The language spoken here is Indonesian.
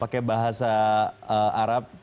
pakai bahasa arab